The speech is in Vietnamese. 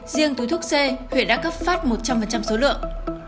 riêng túi thuốc c huyện đã cấp phát một trăm linh số lượng